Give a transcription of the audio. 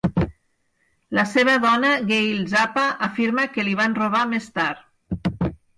La seva dona Gail Zappa afirma que li van robar més tard.